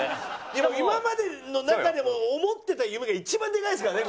今までの中でも思ってた夢が一番でかいですからね